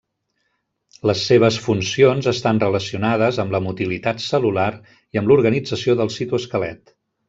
Les seves funcions estan relacionades amb la motilitat cel·lular i amb l'organització del citoesquelet.